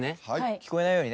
聞こえないようにね。